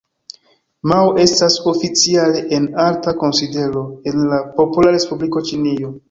Mao estas oficiale en alta konsidero en la Popola Respubliko Ĉinio.